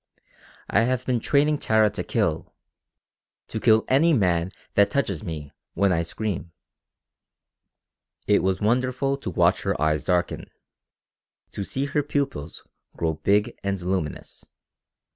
I have been training Tara to kill to kill any one that touches me, when I scream." It was wonderful to watch her eyes darken, to see her pupils grow big and luminous.